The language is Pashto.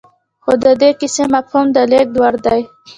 خو د دې کيسې مفهوم د لېږد وړ دی.